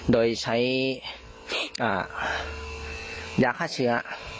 โดยใช้ยาฆ่าเชื้อ